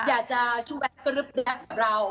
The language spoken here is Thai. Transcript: อยากจะชูแอปกระเริบแดดกับเรา